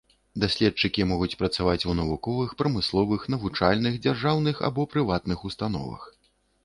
Даследчыкі могуць працаваць у навуковых, прамысловых, навучальных, дзяржаўных або прыватных установах.